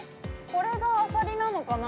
◆これがアサリなのかな？